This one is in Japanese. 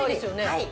はい。